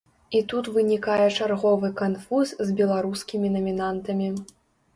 І тут вынікае чарговы канфуз з беларускімі намінантамі.